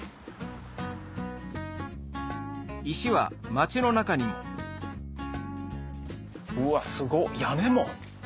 石は町の中にもうわすごっ屋根も？